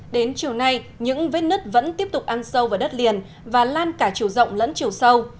đến chiều nay những vết nứt vẫn tiếp tục ăn sâu vào đất liền và lan cả chiều rộng lẫn chiều sâu